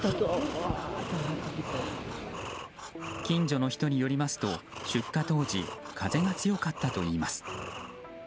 近所の人によりますと出火当時風が強かったといいます。